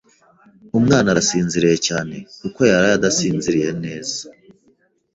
Umwana arasinziriye cyane, kuko yaraye adasinziriye neza.